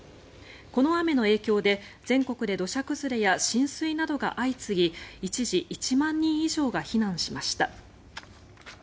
この雨の影響で全国で土砂崩れや浸水などが相次ぎ一時１万人以上が避難しました。